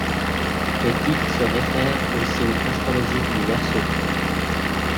Le titre se réfère au signe astrologique du Verseau.